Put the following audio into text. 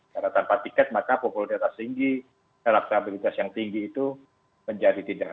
karena tanpa tiket maka populeritas tinggi elastabilitas yang tinggi itu menjadi tidak ada